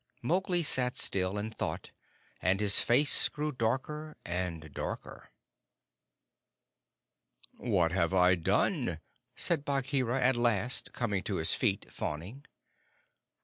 Mowgli sat still, and thought, and his face grew darker and darker. "What have I done?" said Bagheera, at last, coming to his feet, fawning.